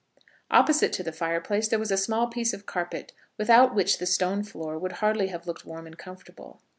Opposite to the fire place there was a small piece of carpet, without which the stone floor would hardly have looked warm and comfortable.